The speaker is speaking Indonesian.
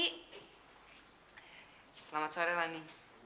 selamat sore rani